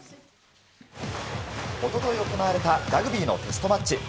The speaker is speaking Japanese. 一昨日行われたラグビーのテストマッチ。